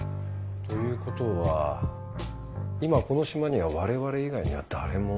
ということは今この島には我々以外には誰も？